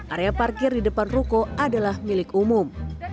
area parkir di depan ruko adalah milik umum